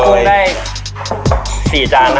จานละ๑๐๐ใช่ไหมฮะ